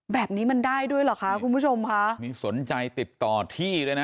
แบบนี้มันได้ด้วยเหรอคะคุณผู้ชมค่ะนี่สนใจติดต่อที่เลยนะ